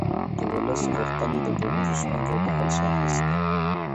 د ولس غوښتنې د ټولنیزو ستونزو د حل شاخص دی